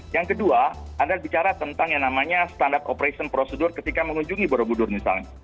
yang kedua anda bicara tentang yang namanya standard operation procedure ketika mengunjungi borobudur misalnya